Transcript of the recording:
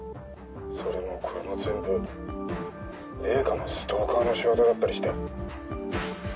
それもこれも全部零花のストーカーの仕業だったりして。